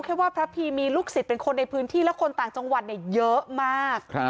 แค่ว่าพระพีมีลูกศิษย์เป็นคนในพื้นที่และคนต่างจังหวัดเยอะมาก